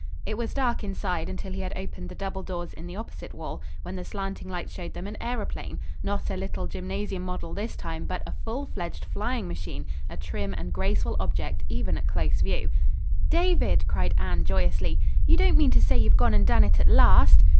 It was dark inside until he had opened the double doors in the opposite wall, when the slanting light showed them an aëroplane; not a little gymnasium model this time, but a full fledged flying machine, a trim and graceful object, even at close view. "David," cried Anne joyously, "you don't mean to say you've gone and done it at last?"